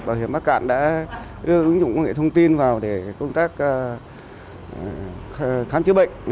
bảo hiểm bắc cạn đã đưa ứng dụng công nghệ thông tin vào để công tác khám chữa bệnh